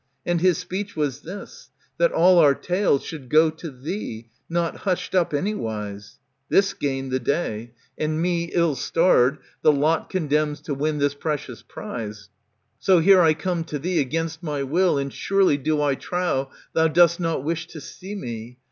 And his speech Was this, that all our tale should go to thee. Not hushed up anywise. This gained the day ; 150 ANTIGONE And me, ill starred, the lot condemns to win This precious prize. So here I come to thee Against my will ; and surely do I trow Thou dost not wish to see me.